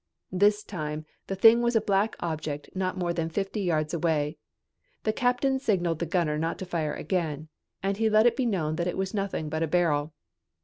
This time the thing was a black object not more than fifty yards away. The captain signaled the gunner not to fire again and he let it be known that this was nothing but a barrel.